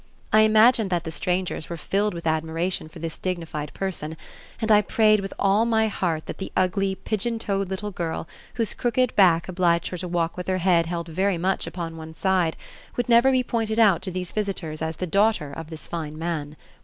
I imagined that the strangers were filled with admiration for this dignified person, and I prayed with all my heart that the ugly, pigeon toed little girl, whose crooked back obliged her to walk with her head held very much upon one side, would never be pointed out to these visitors as the daughter of this fine man.